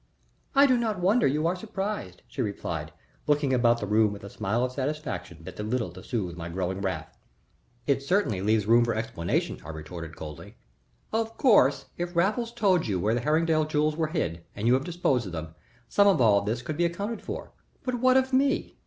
"I do not wonder you are surprised," she replied, looking about the room with a smile of satisfaction that did little to soothe my growing wrath. "It certainly leaves room for explanation," I retorted, coldly. "Of course, if Raffles told you where the Herringdale jewels were hid and you have disposed of them, some of all this could be accounted for; but what of me?